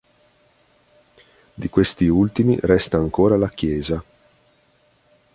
Di questi ultimi resta ancora la chiesa.